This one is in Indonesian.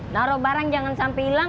naruh barang jangan sampai hilang